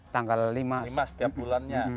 tanggal lima setiap bulannya